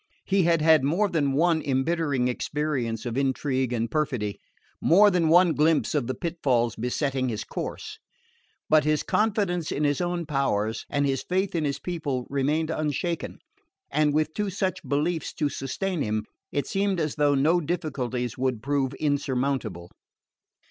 He had had more than one embittering experience of intrigue and perfidy, more than one glimpse of the pitfalls besetting his course; but his confidence in his own powers and his faith in his people remained unshaken, and with two such beliefs to sustain him it seemed as though no difficulties would prove insurmountable.